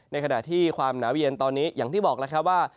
ในขณะที่ความหนาวเย็นตอนนี้อย่างที่บอกแล้วครับว่า